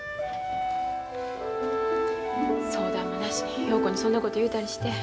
相談もなしに陽子にそんなこと言うたりして。